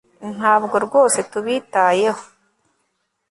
ntabwo rwose tubitayeho